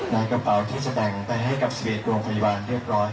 ในกระเป๋าที่จะแต่งไปให้กับ๑๑โรงพยาบาลเรียบร้อย